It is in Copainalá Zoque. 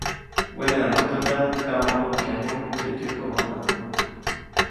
Wenedaʼmbä pändaʼm kaʼunuʼkyajuʼuŋ teʼ tyäjkomodaʼm.